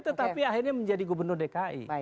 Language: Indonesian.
tetapi akhirnya menjadi gubernur dki